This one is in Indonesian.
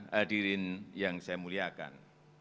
hadirin yang saya muliakan